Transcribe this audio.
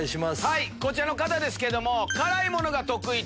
こちらの方ですけども。